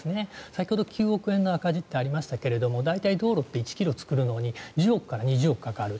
先ほど、９億円の赤字という話がありましたが大体道路って１ｋｍ作るのに１０億円から２０億円かかる。